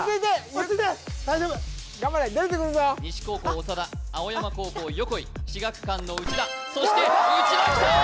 落ち着いて大丈夫頑張れ出てくるぞ西高校長田青山高校横井志學館の内田そして内田きたー！